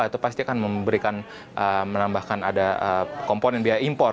itu pasti akan memberikan menambahkan ada komponen biaya impor